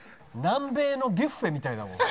南米のビュッフェみたいだもん。